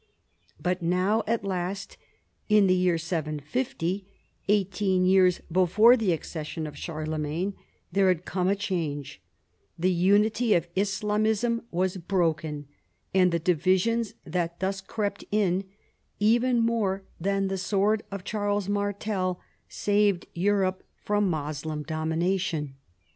But now at last in the year 750, eighteen years before the accession of Charlemagne, there had come a change ; the unity of Islamism was broken and the divisions that thus crept in, even more than the sword of Charles Martel, saved Europe from Moslem domi 190 CHARLEMAGNE. nation.